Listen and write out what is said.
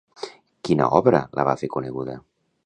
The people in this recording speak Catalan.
Quina obra la va fer coneguda?